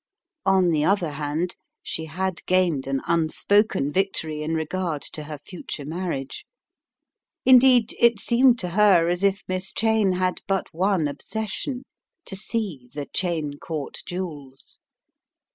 On the other hand, she had gained an unspoken victory in regard to her future marriage. Indeed it seemed to her as if Miss Cheyne had but one obsession: to see the Cheyne Court jewels.